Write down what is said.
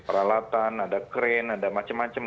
peralatan ada crane ada macem macem